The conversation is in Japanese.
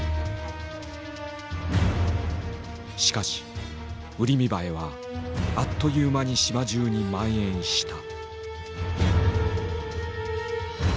しかしウリミバエはあっという間に島じゅうにまん延した。